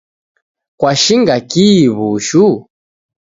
Kwashinga kihi w'ushu?